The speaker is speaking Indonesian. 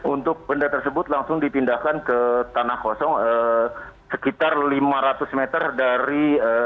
untuk benda tersebut langsung dipindahkan ke tanah kosong sekitar lima ratus meter dari